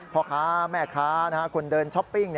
พ่อค้าแม่ค้าคนเดินช้อปปิ้ง